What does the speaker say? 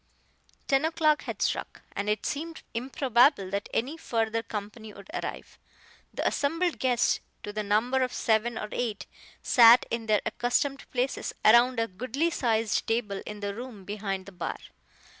Ten o'clock had struck, and it seemed improbable that any further company would arrive. The assembled guests, to the number of seven or eight, sat in their accustomed places around a goodly sized table in the room behind the bar.